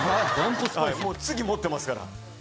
もう次持ってますから。